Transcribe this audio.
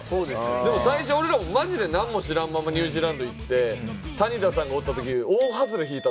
でも最初俺らもマジで何も知らんままニュージーランド行って谷田さんがおったとき。